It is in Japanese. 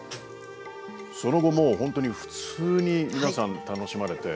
その後もうほんとに普通に皆さん楽しまれて。